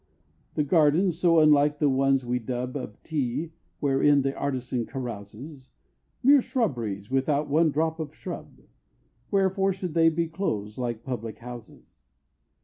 The Gardens, so unlike the ones we dub Of Tea, wherein the artisan carouses, Mere shrubberies without one drop of shrub, Wherefore should they be closed like public houses?